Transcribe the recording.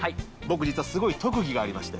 僕実はすごい特技がありまして。